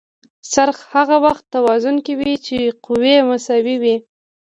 څرخ هغه وخت توازن کې وي چې قوې مساوي وي.